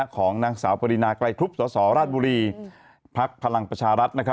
ของนางสาวปริณาไกลคลุปสศราชบุรีพรรคพลังประชารัฐ